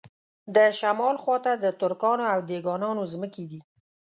د شمال خواته د ترکانو او دېګانانو ځمکې دي.